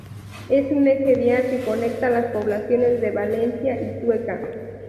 Es un eje vial que conecta las poblaciones de Valencia y Sueca.